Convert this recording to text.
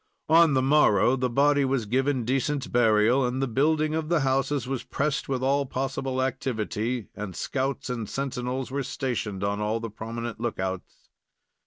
On the morrow the body was given decent burial, and the building of the houses was pressed with all possible activity, and scouts or sentinels were stationed on all the prominent lookouts.